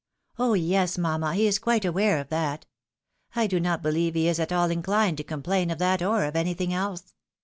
" Oh yes, mamma ! he is quite aware of that.' I do not be lieve he is at aU inclined to complain of that or of anything else.